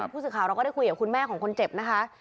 ผู้สื่อข่าวเราก็ได้คุยกับคุณแม่ของคนเจ็บนะคะ